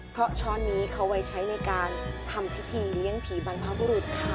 เพราะช้อนนี้เขาไว้ใช้ในการทำพิธีเลี้ยงผีบรรพบุรุษค่ะ